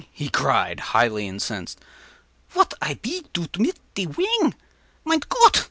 ” he cried, highly incensed, “vat I pe do mit te wing? Mein Gott!